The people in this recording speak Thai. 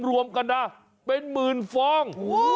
รวมกันนะเป็นหมื่นฟอง